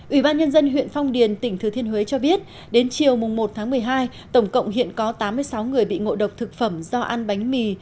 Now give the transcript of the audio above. ủy ban nhân dân huyện phong điền tỉnh thừa thiên huế cho biết đến chiều một một mươi hai tổng cộng hiện có tám mươi sáu người bị ngộ độc thực phẩm do ăn bánh mì